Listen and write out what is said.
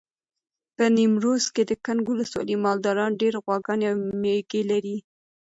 په نیمروز کې د کنگ ولسوالۍ مالداران ډېر غواګانې او مېږې لري.